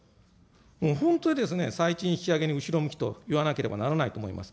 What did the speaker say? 本当に、最賃引き上げに後ろ向きと言わざるをえないと思います。